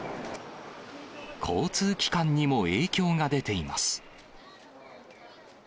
交通機関にも影響が出ています。